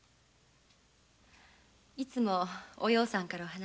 いつもお葉さんからお話は。